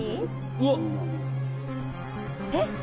うわ。えっ？